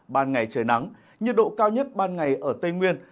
ban ngày trời nắng nhiệt độ cao nhất ban ngày ở tây nguyên